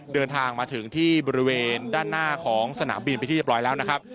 เดินทางมาถึงที่บริเวณด้านหน้าของสนามบินไปที่เรียบร้อยแล้วนะครับ